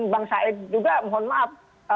dan bang said juga mohon maaf